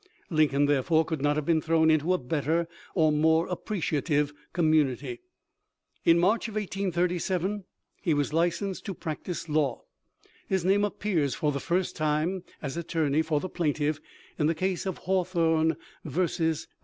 Lincoln therefore could not have been thrown into a better or more appreciative community. In March, 1837, he was licensed to practice law. His name appears for the first time as attorney for the plaintiff in the case of Hawthorne vs.